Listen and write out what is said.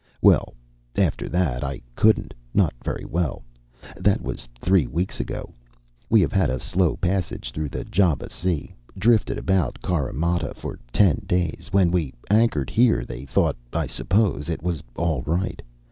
"Well after that, I couldn't. Not very well. That was three weeks ago. We have had a slow passage through the Java Sea; drifted about Carimata for ten days. When we anchored here they thought, I suppose, it was all right.